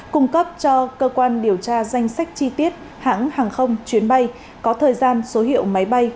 cung cấp cho cơ quan điều tra danh sách chi tiết hãng hàng không chuyến bay có thời gian số hiệu máy bay